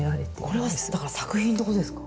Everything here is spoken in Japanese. これはだから作品ってことですか？